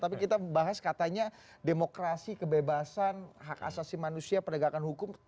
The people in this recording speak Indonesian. tapi kita bahas katanya demokrasi kebebasan hak asasi manusia penegakan hukum